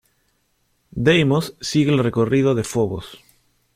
Deimos sigue el recorrido de Fobos.